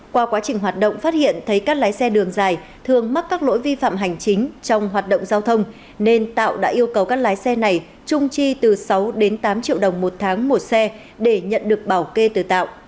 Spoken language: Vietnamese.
qua quá trình hoạt động phát hiện thấy các lái xe đường dài thường mắc các lỗi vi phạm hành chính trong hoạt động giao thông nên tạo đã yêu cầu các lái xe này trung chi từ sáu đến tám triệu đồng một tháng một xe để nhận được bảo kê từ tạo